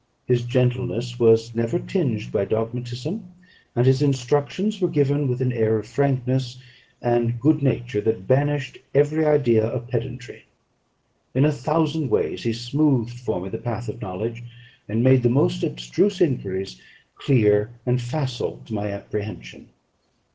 His gentleness was never tinged by dogmatism; and his instructions were given with an air of frankness and good nature, that banished every idea of pedantry. In a thousand ways he smoothed for me the path of knowledge, and made the most abstruse enquiries clear and facile to my apprehension.